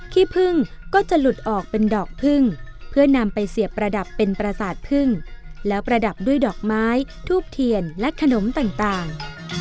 ขี้พึ่งก็จะหลุดออกเป็นดอกพึ่งเพื่อนำไปเสียบประดับเป็นประสาทพึ่งแล้วประดับด้วยดอกไม้ทูบเทียนและขนมต่าง